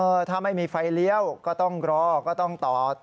ถ้าไม่มีไฟเลี้ยวก็ต้องรอก็ต้องจอด